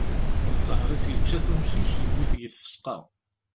Ẓẓher-is yečča-t umcic, yewwi-t deg tfesqa.